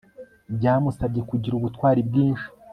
byamusabye kugira ubutwari bwinshi